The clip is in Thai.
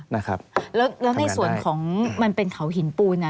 นะครับแล้วในส่วนของมันเป็นเขาหินปูนอ่ะ